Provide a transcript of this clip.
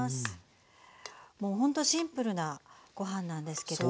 もうほんとシンプルなご飯なんですけど。